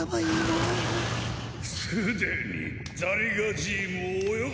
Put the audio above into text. すでにザリガジームを泳がせてある。